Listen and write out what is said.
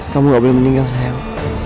kamu gak boleh meninggal saya